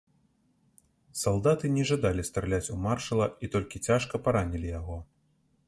Салдаты не жадалі страляць у маршала і толькі цяжка паранілі яго.